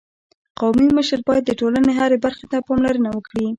قومي مشر باید د ټولني هري برخي ته پاملرنه وکړي.